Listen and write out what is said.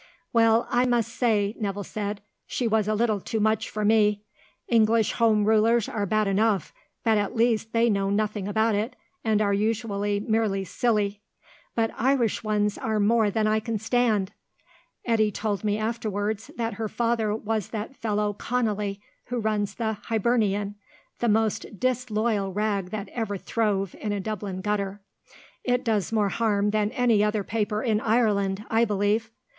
"Well, I must say," Nevill said, "she was a little too much for me. English Home Rulers are bad enough, but at least they know nothing about it and are usually merely silly; but Irish ones are more than I can stand. Eddy told me afterwards that her father was that fellow Conolly, who runs the Hibernian the most disloyal rag that ever throve in a Dublin gutter. It does more harm than any other paper in Ireland, I believe.